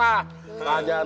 dia ga lanjut kan